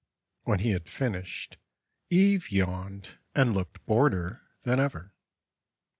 When he had finished, Eve yawned and looked boreder than ever.